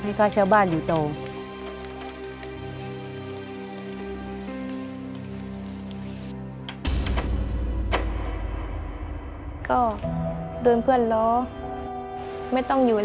และกับผู้จัดการที่เขาเป็นดูเรียนหนังสือ